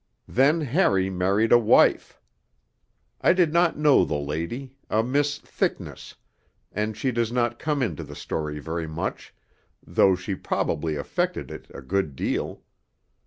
Then Harry married a wife. I did not know the lady a Miss Thickness and she does not come into the story very much, though she probably affected it a good deal.